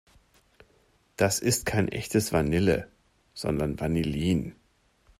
Das ist kein echtes Vanille, sondern Vanillin.